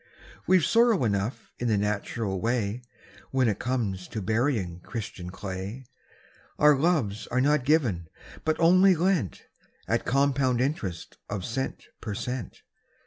We've sorrow enough in the natural way, When it comes to burying Christian clay. Our loves are not given, but only lent, At compound interest of cent per cent.